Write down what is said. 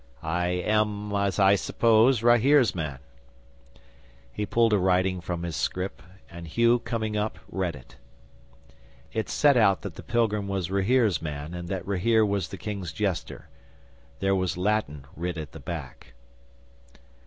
"I am, as I suppose, Rahere's man." 'He pulled a writing from his scrip, and Hugh, coming up, read it. 'It set out that the pilgrim was Rahere's man, and that Rahere was the King's jester. There was Latin writ at the back.